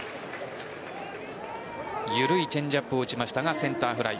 緩いチェンジアップを打ちましたがセンターフライ。